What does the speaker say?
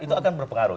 itu akan berpengaruh